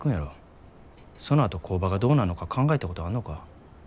そのあと工場がどうなんのか考えたことあんのか？